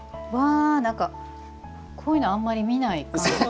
こういうのあんまり見ない感じ。